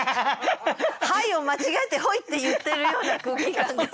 「はい」を間違えて「ほい」って言ってるような空気感です。